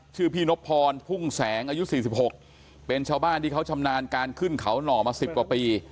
ชื่อพี่นบพรพุ่งแสงอายุ๔๖เป็นชาวบ้านที่เขาชำนาญการขึ้นเขาหน่อมา๑๐กว่าปี